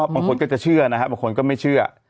บางคนก็จะเชื่อนะครับบางคนก็ไม่เชื่อ